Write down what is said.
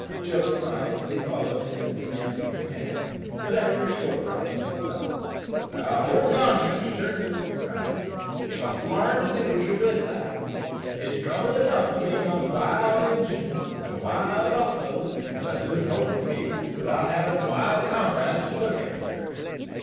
Joe smiled as he followed his enthusiastic companion, but after a short run he pulled up. "Hold on, youngster," he cried; "ye must larn to do as ye're bid, lad. It's trouble enough to be among wild Injuns and wild buffaloes, as I hope soon to be, without havin' wild comrades to look after."